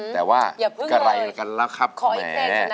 แต่ว่ากระไหร่กันแล้วครับแหม